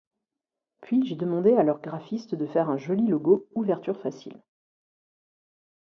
Puis j'ai demandé à leurs graphistes de faire un joli logo «ouverture facile».